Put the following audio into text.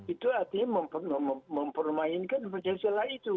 itu artinya mempermainkan percaya silat itu